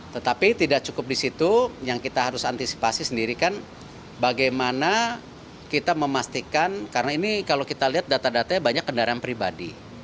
tetapi tidak cukup di situ yang kita harus antisipasi sendiri kan bagaimana kita memastikan karena ini kalau kita lihat data datanya banyak kendaraan pribadi